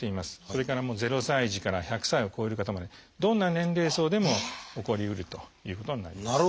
それから０歳児から１００歳を超える方までどんな年齢層でも起こりうるということになります。